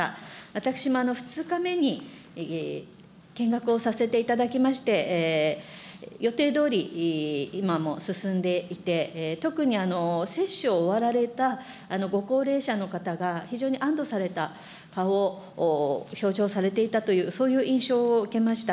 私も２日目に見学をさせていただきまして、予定どおり、今も進んでいて、特に接種を終わられたご高齢者の方が非常に安どされた顔を、表情をされていたという、そういう印象を受けました。